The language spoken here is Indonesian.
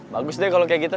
bagus deh kalau kayak gitu